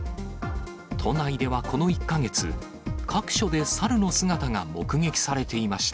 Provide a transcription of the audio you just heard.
都内ではこの１か月、各所で猿の姿が目撃されていました。